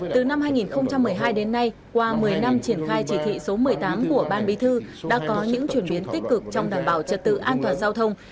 từ năm hai nghìn một mươi hai đến nay qua một mươi năm triển khai chỉ thị số một mươi tám của ban bí thư đã có những chuyển biến tích cực trong đảm bảo trật tự an toàn giao thông